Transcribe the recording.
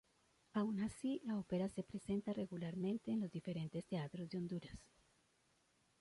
Aun así la Ópera se presenta regularmente en los diferentes teatros de Honduras.